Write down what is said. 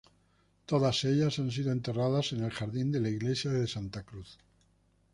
Todas ellas han sido enterradas en el jardín de la iglesia Santa Cruz.